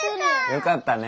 よかったね。